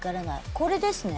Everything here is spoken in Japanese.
これですね？